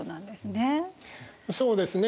そうですね。